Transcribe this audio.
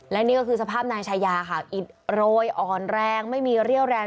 และนี่ก็คือสภาพนายชายาค่ะอิดโรยอ่อนแรงไม่มีเรี่ยวแรง